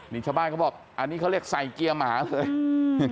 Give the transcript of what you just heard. นี่ชาวบ้านเขาบอกอันนี้เขาเรียกใส่เกียร์หมาเลยอืม